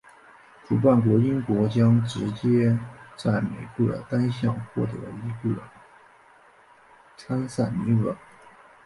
主办国英国将直接在每个单项获得一个参赛名额。